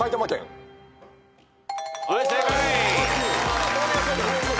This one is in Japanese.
はい正解。